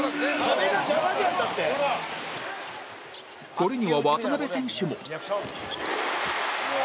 これには渡邊選手も